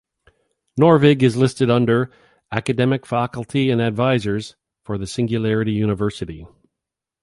Norvig is listed under "Academic Faculty and Advisors" for the Singularity University.